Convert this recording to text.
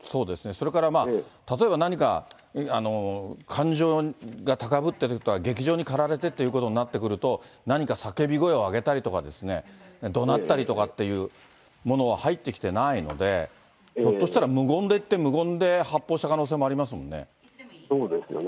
それからまあ、例えば何か感情が高ぶってるとか、激情に駆られてということになってくると、何か叫び声を上げたりですとか、どなったりとかっていうものは入ってきてないので、ひょっとしたら無言でいって無言で発砲した可能性もありますもんそうですよね。